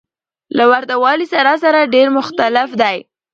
له ورته والي سره سره ډېر مختلف دى.